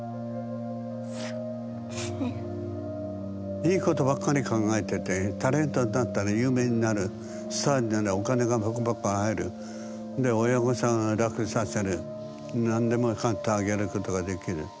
いいことばっかり考えててタレントになったら有名になるスターになるお金がバカバカ入るで親御さんを楽させる何でも買ってあげることができる。